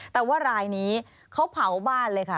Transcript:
แต่ว่ารายนี้เขาเผาบ้านเลยค่ะ